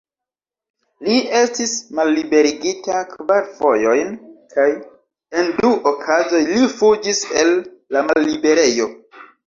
Li estis malliberigita kvar fojojn kaj, en du okazoj, li fuĝis el la malliberejo.